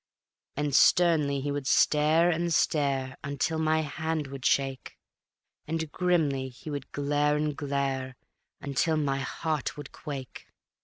And sternly he would stare and stare until my hand would shake, And grimly he would glare and glare until my heart would quake.